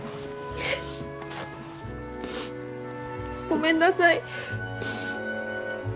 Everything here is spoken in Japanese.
ごめんなさい。